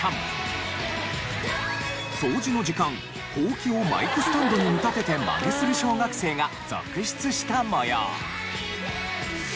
掃除の時間ほうきをマイクスタンドに見立ててマネする小学生が続出した模様。